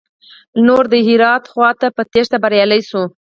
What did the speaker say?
نور د هرات خواته په تېښته بريالي شول.